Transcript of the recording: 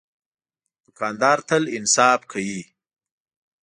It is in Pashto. دوکاندار تل انصاف کوي.